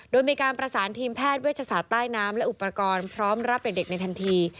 โดยมีการประสานทีมแพทย์เวชศาสตร์ใต้น้ำและอุปกรณ์พร้อมรับเด็กในทันที